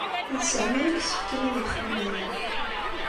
D Sami i yessefken ad yexdem aya.